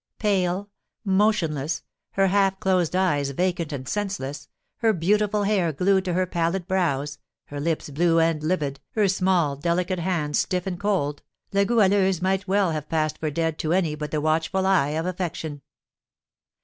Pale, motionless, her half closed eyes vacant and senseless, her beautiful hair glued to her pallid brows, her lips blue and livid, her small, delicate hands stiff and cold, La Goualeuse might well have passed for dead to any but the watchful eye of affection.